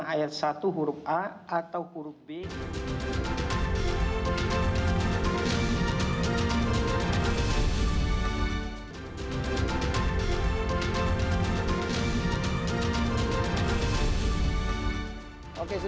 ayat satu huruf a atau